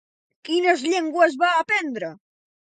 Quines llengües va aprendre?